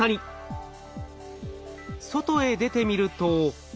外へ出てみると。